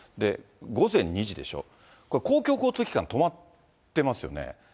午前２時でしょ、これ、公共交通機関止まってますよね。